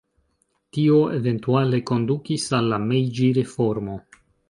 Tio eventuale kondukis al la Mejĝi-reformo.